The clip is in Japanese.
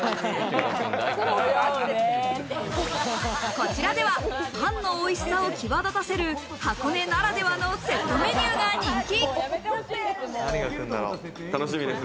こちらではパンのおいしさを際立たせる箱根ならではのセットメニューが人気。